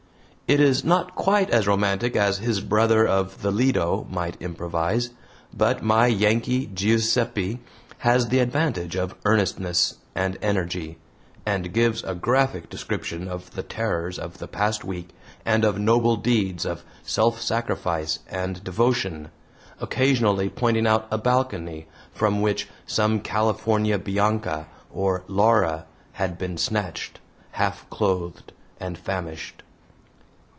It is not quite as romantic as his brother of the Lido might improvise, but my Yankee "Giuseppe" has the advantage of earnestness and energy, and gives a graphic description of the terrors of the past week and of noble deeds of self sacrifice and devotion, occasionally pointing out a balcony from which some California Bianca or Laura had been snatched, half clothed and famished.